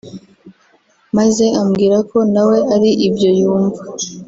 maze ambwira ko nawe ari ibyo yumva